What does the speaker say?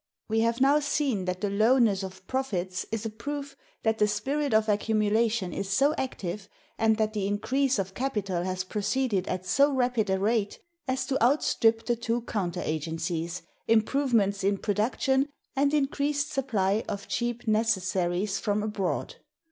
We have now seen that the lowness of profits is a proof that the spirit of accumulation is so active, and that the increase of capital has proceeded at so rapid a rate, as to outstrip the two counter agencies, improvements in production and increased supply of cheap necessaries from abroad.